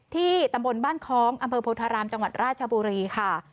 ตำบลบ้านคล้องอำเภอโพธารามจังหวัดราชบุรีค่ะ